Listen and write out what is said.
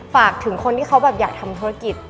ฝากถึงคนที่เขาแบบอยากทำธุรกิจ